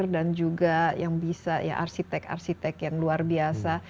dan juga yang bisa ya arsitek arsitek yang luar biasa